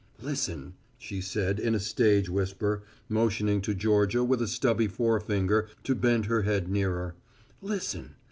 "Listen," she said in a stage whisper, motioning to Georgia with a stubby forefinger to bend her head nearer, "listen.